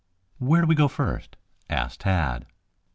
"Where do we go first?" asked Tad.